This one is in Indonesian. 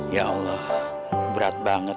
ya allah berat banget